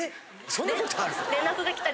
そんなことあるの？